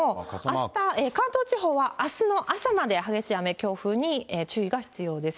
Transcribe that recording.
あした、関東地方はあすの朝まで激しい雨、強風に注意が必要です。